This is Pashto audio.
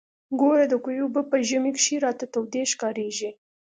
ګوره د کوهي اوبه په ژمي کښې راته تودې ښکارېږي.